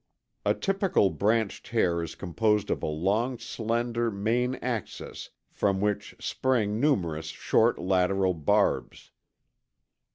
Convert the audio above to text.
A typical branched hair is composed of a long slender main axis from which spring numerous short lateral barbs.